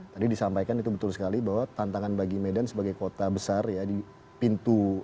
tadi disampaikan itu betul sekali bahwa tantangan bagi medan sebagai kota besar ya di pintu atau di barat indonesia